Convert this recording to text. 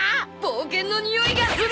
冒険のにおいがする。